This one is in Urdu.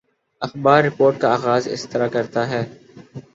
اخبار رپورٹ کا آغاز اس طرح کرتا ہے